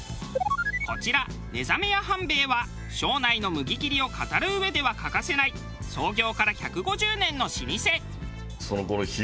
こちら寝覚屋半兵エは庄内の麦切りを語るうえでは欠かせない創業から１５０年の老舗。